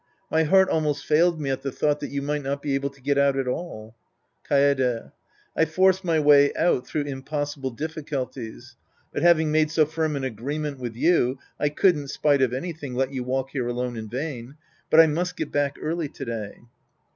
My heart almost failed me at the thought that you might not be able to get out at all. Kaede. I forced my way out through impossible difficulties. But having made so firm an agreement with you, I couldn't, spite of anything, let you wait here alone in vain. But I must get back early to day.